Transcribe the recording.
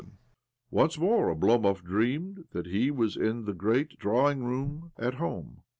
.. Once more Oblomov dreamed that he was in the great, dark drawing room at home.